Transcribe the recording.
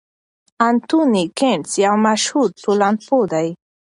انتوني ګیدنز یو مشهور ټولنپوه دی.